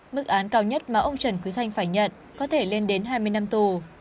mức án cao nhất mà ông trần quý thanh phải nhận có thể lên đến hai mươi năm tù